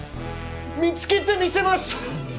見つけてみせます！